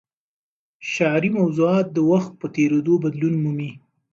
شعري موضوعات د وخت په تېرېدو بدلون مومي.